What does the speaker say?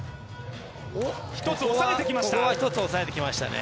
ここは一つ抑えてきましたね。